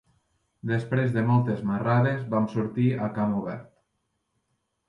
Després de moltes marrades vam sortir a camp obert.